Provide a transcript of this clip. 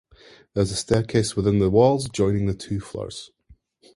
There is a staircase within the wall joining the two floors.